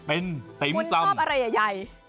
เป็นปริ๊มซั่มคุณชอบอะไรใหญ่